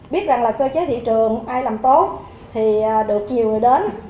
biết rằng là cơ chế thị trường ai làm tốt thì được nhiều người đến